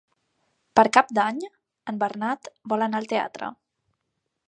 Per Cap d'Any en Bernat vol anar al teatre.